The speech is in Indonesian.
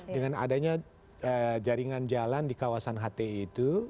dengan adanya jaringan jalan di kawasan hti itu